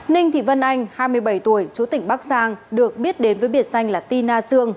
ninh thị vân anh hai mươi bảy tuổi chủ tỉnh bắc giang được biết đến với biệt danh là ti na dương